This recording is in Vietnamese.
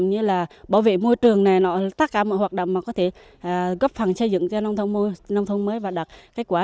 như là bảo vệ môi trường này nọ tất cả mọi hoạt động mà có thể góp phần xây dựng cho nông thôn mới và đạt kết quả